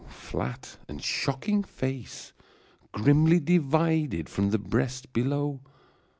flat and shocking face. Grimly divided from the breast below